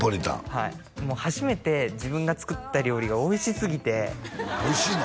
はい初めて自分が作った料理がおいしすぎておいしいの？